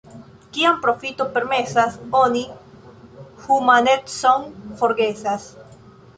Kiam profito permesas, oni humanecon forgesas.